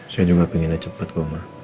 saya juga pengennya cepat koma